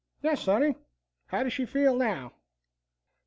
"Yes, Sonny. How does she feel now?"